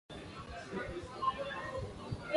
kwa namna tofauti Utawala wa Kiislamu ulifikia nchi hizo